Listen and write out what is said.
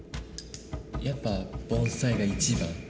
やっぱ盆栽が一番。